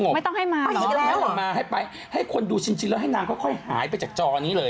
กลับมามาให้ไปให้คนดูจริงแล้วให้นางค่อยหายไปจากจริง